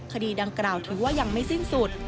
คดีดังกล่าวถือว่ายังไม่สิ้นสุด